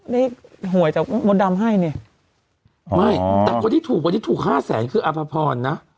ได้หวยจากมดดำให้เนี่ยไม่แต่คนที่ถูกคนที่ถูก๕แสนคืออัพพรนะ